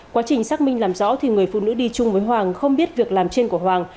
quá trình xác minh làm rõ người phụ nữ đi chung với hoàng không biết việc làm trên của hoàng